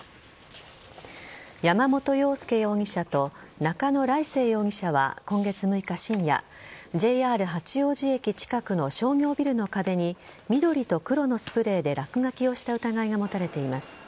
山本陽介容疑者と中野礼誠容疑者は今月６日深夜ＪＲ八王子駅近くの商業ビルの壁に緑と黒のスプレーで落書きをした疑いが持たれています。